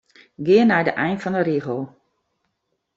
Gean nei de ein fan 'e rigel.